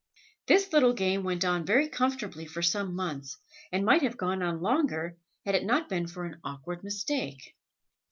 This little game went on very comfortably for some months, and might have gone on longer, had it not been for an awkward mistake.